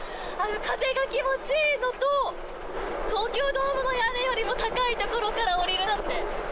風が気持ちいいのと、東京ドームの屋根よりも高い所から降りるなんて。